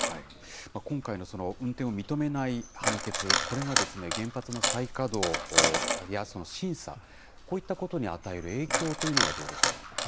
今回の運転を認めない判決、これが原発の再稼働やその審査、こういったことに与える影響というのはどうですか。